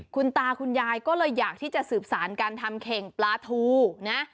คุณตาคุณยายก็เลยอยากที่จะสืบสารการทำเข่งปลาทูนะ